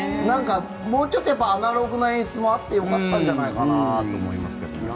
なんかもうちょっとアナログな演出もあってもよかったんじゃないかなと思いますけど。